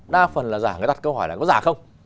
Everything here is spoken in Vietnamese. đa phần là giả người đặt câu hỏi là có giả không